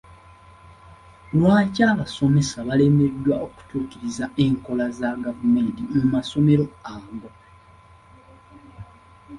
Lwaki abasomesa balemeddwa okutuukiriza enkola za gavumenti mu masomero ago?